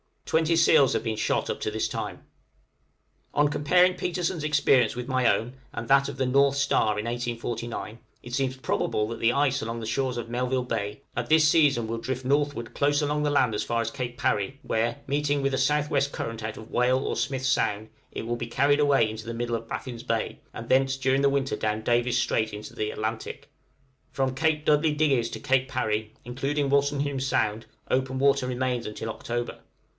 Twenty seals have been shot up to this time. {DRIFTING IN THE PACK.} On comparing Petersen's experience with my own and that of the 'North Star' in 1849, it seems probable that the ice along the shores of Melville Bay, at this season, will drift northward close along the land as far as Cape Parry, where, meeting with a S.W. current out of Whale or Smith's Sound, it will be carried away into the middle of Baffin's Bay, and thence during the winter down Davis' Strait into the Atlantic. From Cape Dudley Digges to Cape Parry, including Wolstenholme Sound, open water remains until October.